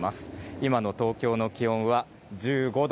今の東京の気温は、１５度。